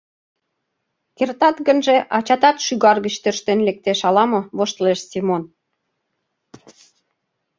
— Кертат гынже, ачатат шӱгар гыч тӧрштен лектеш ала-мо, — воштылеш Семон.